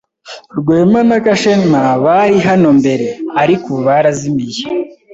Rwema na Gashema bari hano mbere, ariko ubu barazimiye.